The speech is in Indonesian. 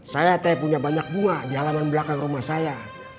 saya punya banyak bunga di halaman belakang rumah saya